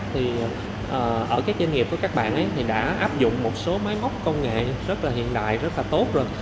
thì ở các doanh nghiệp của các bạn ấy thì đã áp dụng một số máy móc công nghệ rất là hiện đại rất là tốt rồi